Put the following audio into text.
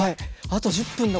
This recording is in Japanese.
あと１０分だ